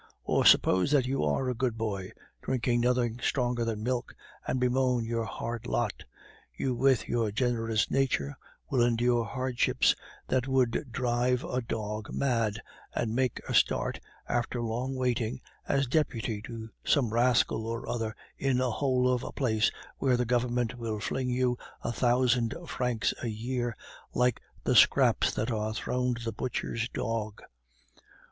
Or suppose that you are a good boy, drink nothing stronger than milk, and bemoan your hard lot; you, with your generous nature, will endure hardships that would drive a dog mad, and make a start, after long waiting, as deputy to some rascal or other in a hole of a place where the Government will fling you a thousand francs a year like the scraps that are thrown to the butcher's dog.